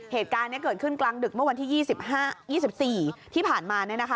เหตุการณ์นี้เกิดขึ้นกลางดึกเมื่อวันที่๒๔ที่ผ่านมา